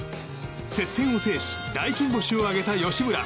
接戦を制し大金星を挙げた吉村。